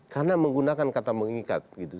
karena menggunakan kata mengikat gitu